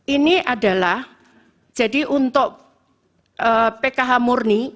ini adalah jadi untuk pkh murni